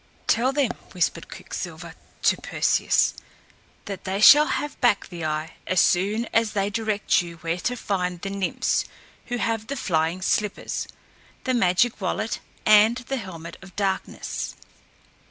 "Tell them," whispered Quicksilver to Perseus, "that they shall have back the eye as soon as they direct you where to find the Nymphs who have the flying slippers, the magic wallet and the helmet of darkness."